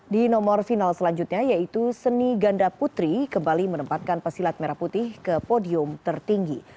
di nomor final selanjutnya yaitu seni ganda putri kembali menempatkan pesilat merah putih ke podium tertinggi